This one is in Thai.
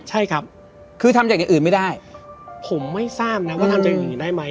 ใช่ครับคือทำอย่างอื่นไม่ได้ผมไม่ทราบนะว่าทำใจอย่างนี้ได้ไหม